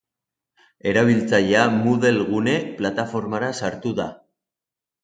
Erabiltzailea Moodlegune plataformara sartu da.